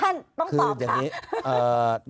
ท่านต้องตอบค่ะ